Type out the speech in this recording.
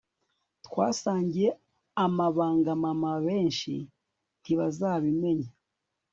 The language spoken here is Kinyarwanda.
Twasangiye amabanga Mama benshi ntibazabimenya